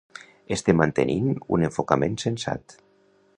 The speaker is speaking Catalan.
Estem mantenint un enfocament sensat.